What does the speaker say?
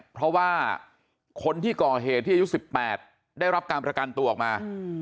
เพราะว่าคนที่ก่อเหตุที่อายุ๑๘ได้รับการประกันตัวออกมา